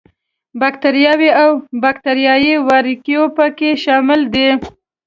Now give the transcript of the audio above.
باکټریاوې او باکټریايي وارکیو په کې شامل دي.